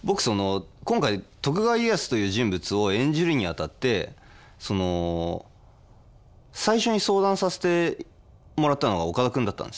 今回徳川家康という人物を演じるにあたって最初に相談させてもらったのが岡田君だったんですね。